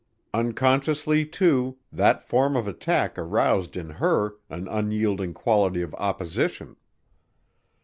Unconsciously, too, that form of attack aroused in her an unyielding quality of opposition.